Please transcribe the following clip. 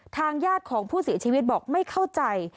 ทางญาติของผู้เสียชีวิตบอกไม่เข้าใจ